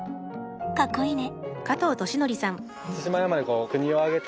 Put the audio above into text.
かっこいいね。